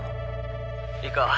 いいか。